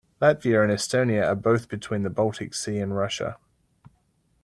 Latvia and Estonia are both between the Baltic Sea and Russia.